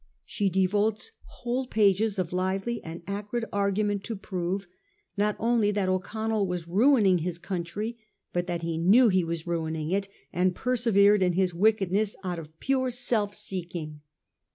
She devotes whole pages of lively and acrid argument to prove, not only that O'Connell was ruin ing his country, but that he knew he was ruining it, and persevered in his wickedness out of pure self seeking.